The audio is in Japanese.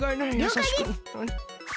りょうかいです！